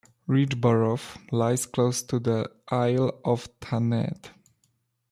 Richborough lies close to the Isle of Thanet.